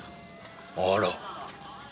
あら。